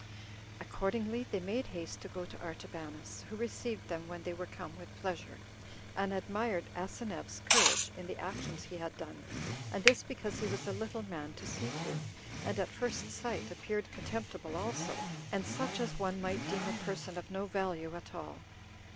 Accordingly, they made haste to go to Artabanus, who received them when they were come with pleasure, and admired Asineus's courage in the actions he had done, and this because he was a little man to see to, and at first sight appeared contemptible also, and such as one might deem a person of no value at all.